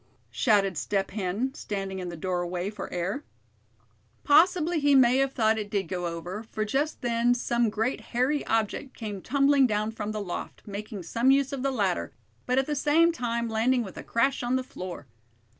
shouted Step Hen, standing in the doorway for air. Possibly he may have thought it did go over, for just then some great hairy object came tumbling down from the loft, making some use of the ladder, but at the same time landing with a crash on the floor.